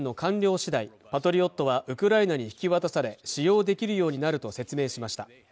しだいパトリオットはウクライナに引き渡され使用できるようになると説明しました